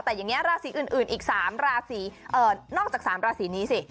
แต่อย่างนี้ราศีอื่นอีก๓ราศีนอกจาก๓ราศีนี้สิ